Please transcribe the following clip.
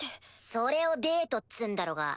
それをデートっつんだろが。